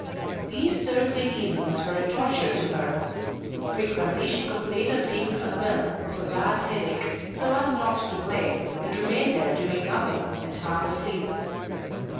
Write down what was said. These Thursday evenings were a torture to her. Frequently she complained of being unwell, of a bad headache, so as not to play, and remain there doing nothing, and half asleep.